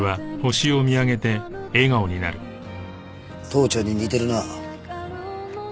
父ちゃんに似てるな。